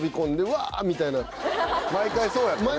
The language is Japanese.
毎回そうやったね。